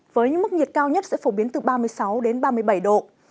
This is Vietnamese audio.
với những mức nhiệt cao nhất sẽ phổ biến từ ba mươi sáu đến ba mươi bảy độ